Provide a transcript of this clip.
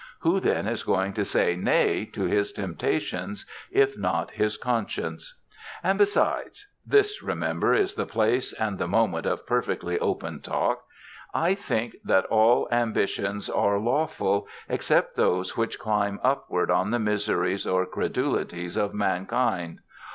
Who then is going to say Nay to his temptations if not his conscience? And besides this, remember, is the place and the moment of perfectly open talk I think that all ambitions are lawful except those which climb upward on the miseries or credulities of mankind.